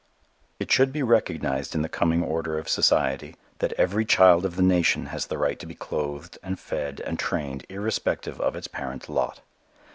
It should be recognized in the coming order of society, that every child of the nation has the right to be clothed and fed and trained irrespective of its parents' lot.